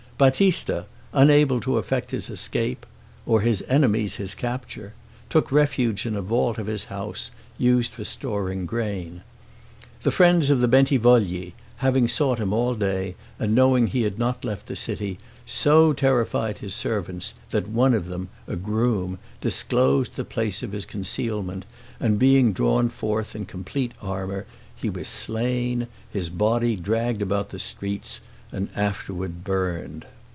Battista, unable to effect his escape, or his enemies his capture, took refuge in a vault of his house, used for storing grain. The friends of the Bentivogli, having sought him all day, and knowing he had not left the city, so terrified his servants, that one of them, a groom, disclosed the place of his concealment, and being drawn forth in complete armor he was slain, his body dragged about the streets, and afterward burned.